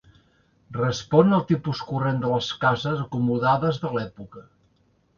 Respon al tipus corrent de les cases acomodades de l'època.